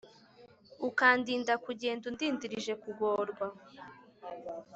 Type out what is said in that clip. Ukandinda kugenda Undindirije kugorwa